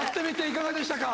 いかがでしたか？